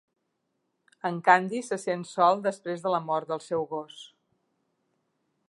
En Candy se sent sol després de la mort del seu gos.